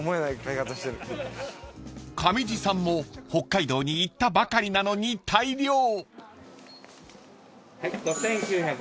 ［上地さんも北海道に行ったばかりなのに大量！］